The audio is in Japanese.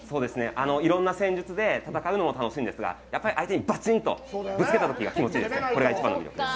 いろんな戦術で戦うのも楽しいんですが、やっぱり相手にばちんとぶつけたときが気持ちいいです。